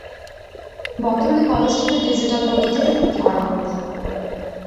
বর্তমানে কলেজটিতে ডিজিটাল পদ্ধতিতে ভর্তি করা হয়ে থাকে।